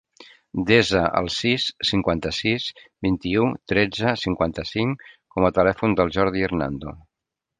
Desa el sis, cinquanta-sis, vint-i-u, tretze, cinquanta-cinc com a telèfon del Jordi Hernando.